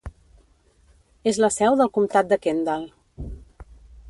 És la seu del comtat de Kendall.